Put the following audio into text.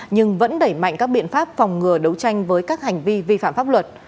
nhưng vẫn đẩy mạnh các biện pháp phòng ngừa đấu tranh với các hành vi vi phạm pháp luật